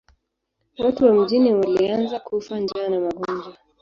Watu wa mjini walianza kufa njaa na magonjwa.